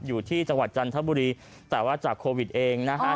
อยู่ที่จังหวัดจันทบุรีแต่ว่าจากโควิดเองนะฮะ